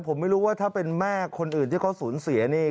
ผมไม่รู้ว่าถ้าเป็นแม่คนอื่นที่เขาสูญเสียนี่